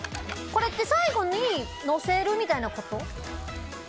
これって最後にのせるみたいなこと？